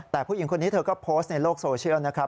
แต่ผู้หญิงคนนี้เธอก็โพสต์ในโลกโซเชียลนะครับ